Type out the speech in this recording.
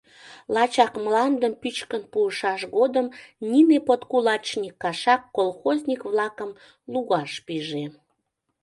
Лачак мландым пӱчкын пуышаш годым нине подкулачник кашак колхозник-влакым лугаш пиже: